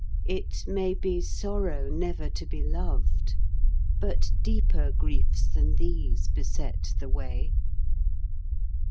It may be sorrow never to be loved, But deeper griefs than these beset the way.